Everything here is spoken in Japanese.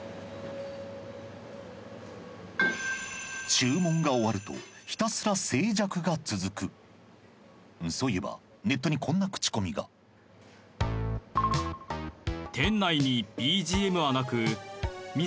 注文が終わるとひたすら静寂が続くそういえばネットにこんなクチコミが確かに。